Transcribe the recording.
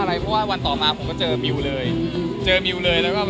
เคลียร์กันเรียบน้อยแล้ว